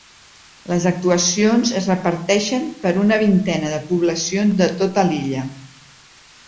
Les actuacions es reparteixen per una vintena de poblacions de tota l’illa.